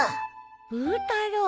ブー太郎。